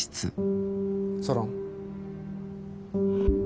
ソロン。